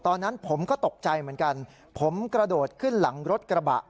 ตอนนั้นผมก็ตกใจเหมือนกันผมกระโดดขึ้นหลังรถกระบะ